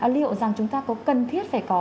liệu rằng chúng ta có cần thiết phải có